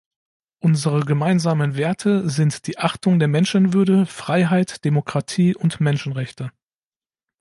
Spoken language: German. Unsere gemeinsamen Werte sind die Achtung der Menschenwürde, Freiheit, Demokratie und Menschenrechte.